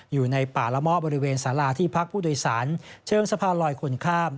อยู่ในป่าละม่อบริเวณสาราที่พักผู้โดยสารเชิงสะพานลอยคนข้าม